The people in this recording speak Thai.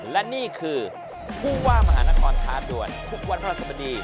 และนี่คือผู้ว่ามหานครท้าด่วนทุกวันพระราชบดี